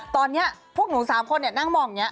ตอนนี้พวกหนู๓คนน่ะนั่งมองแบบนี้